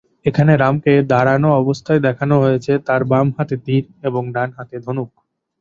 এখানে রামকে দাঁড়ানো অবস্থায় দেখানো হয়েছে, তার বাম হাতে তীর এবং ডান হাতে ধনুক।